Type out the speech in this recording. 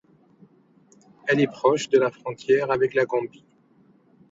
Elle est proche de la frontière avec la Gambie.